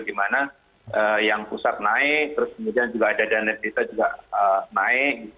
dimana yang pusat naik terus kemudian juga ada dana bisa juga naik